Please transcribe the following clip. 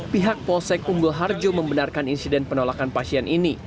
pihak polsek unggul harjo membenarkan insiden penolakan pasien ini